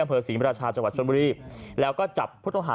อำเภอศรีมราชาจังหวัดชนบุรีแล้วก็จับผู้ต้องหา